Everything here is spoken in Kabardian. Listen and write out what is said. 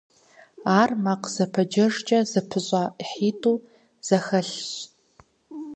Ар макъ зэпэджэжкӀэ зэпыщӀа ӀыхьитӀу зэхэлъщ.